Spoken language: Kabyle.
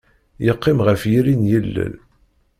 Yeqqim ɣef yiri n yilel.